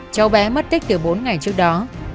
cháu bé mất tích từ bốn ngày trước đó